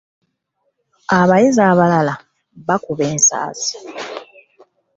Abayizi abalala bakuba ensaasi.